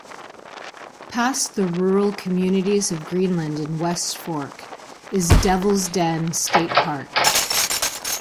Past the rural communities of Greenland and West Fork is Devil's Den State Park.